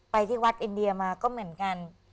ที่วัดอินเดียมาก็เหมือนกัน